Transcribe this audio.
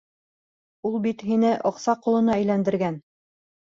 Ул бит һине аҡса ҡолона әйләндергән!